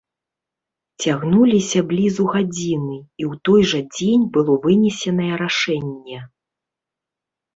Цягнуліся блізу гадзіны, і ў той жа дзень было вынесенае рашэнне.